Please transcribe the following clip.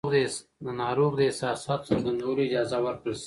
د ناروغ د احساساتو څرګندولو اجازه ورکړل شي.